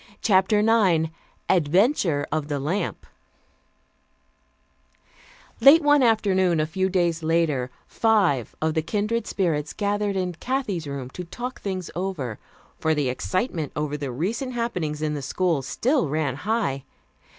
CHAPTER IX ADVENTURE OF THE LAMP Late one afternoon, a few days later, five of the Kindred Spirits gathered in Kathy's room to talk things over, for the excitement over the recent happenings in the school still ran high.